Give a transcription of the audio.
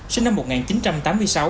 sinh năm một nghìn chín trăm tám mươi sáu